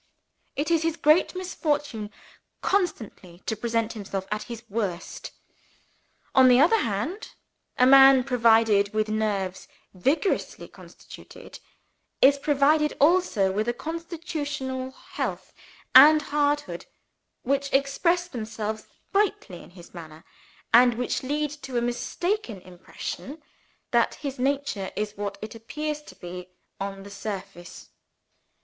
It is his great misfortune constantly to present himself at his worst. On the other hand, a man provided with nerves vigorously constituted, is provided also with a constitutional health and hardihood which express themselves brightly in his manners, and which lead to a mistaken impression that his nature is what it appears to be on the surface.